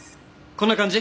こんな感じ？